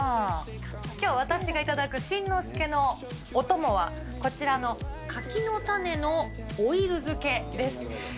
きょう、私が頂く新之助のお供は、こちらの柿の種のオイル漬けです。